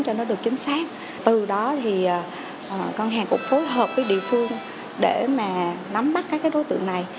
từ đó thì ngân hàng cũng phối hợp với địa phương để mà nắm bắt các đối tượng này